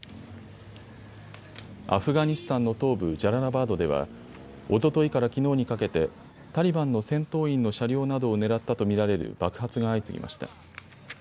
アフガニスタンの東部ジャララバードではおとといからきのうにかけてタリバンの戦闘員の車両などを狙ったと見られる爆発が相次ぎました。